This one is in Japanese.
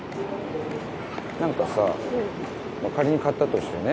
何かさ仮に買ったとしてね。